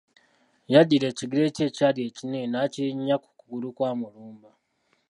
Yaddira ekigere kye ekyali ekinene n'akirinnya ku kugulu kwa Mulumba.